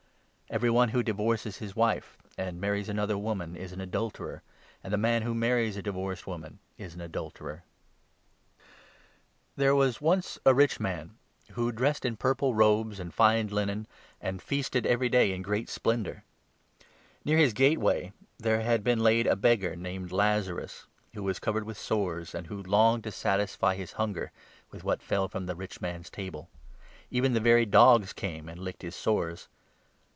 Every one who divorces his wife and marries 18 another woman is an adulterer, and the man who marries a divorced woman is an adulterer. 8 Enoch 108. ii. " Enoch 63. 10. U Enoch 63. 10. LUKE, 16 17. 143 Parable of There was once a rich man, who dressed in 19 the rich Man purple robes and fine linen, and feasted every day and Lazarus. [n grreat splendour. Near his gateway there had 20 been laid a beggar named Lazarus, who was covered with sores, and who longed to satisfy his hunger with what fell from the 21 rich man's table. Even the very dogs came and licked his sores.